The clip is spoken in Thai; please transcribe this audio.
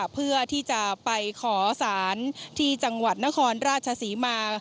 เพื่อที่จะไปขอสารที่จังหวัดนครราชศรีมา